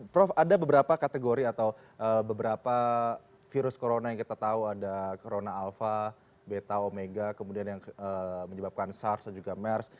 prof ada beberapa kategori atau beberapa virus corona yang kita tahu ada corona alpha beta omega kemudian yang menyebabkan sars dan juga mers